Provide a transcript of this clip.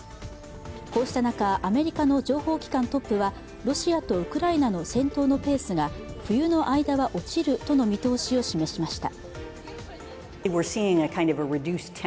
こうした中、アメリカの情報機関トップはロシアとウクライナの戦闘のペースが冬の間は落ちるとの見通しを示しました。